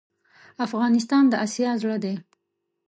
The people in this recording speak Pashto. افغانستان دا اسیا زړه ډی